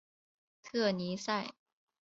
特尼塞。